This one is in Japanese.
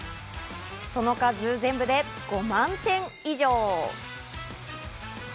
その数、全部で５万点以上。